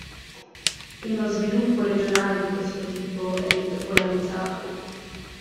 Uno sviluppo regionale di questo tipo è detto polarizzato.